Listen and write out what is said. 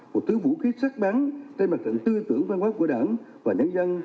một thứ vũ khí sát bắn trên mặt trận tư tưởng văn hóa của đảng và nhân dân